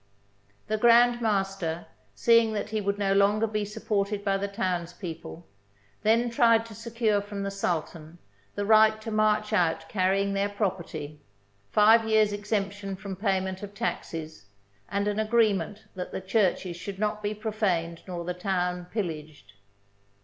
The Grand Master, seeing that he THE BOOK OF FAMOUS SIEGES would no longer be supported by the townspeople, then tried to secure from the Sultan the right to march out carrying their property, five years' ex emption from payment of taxes, and an agreement that the churches should not be profaned nor the town pillaged.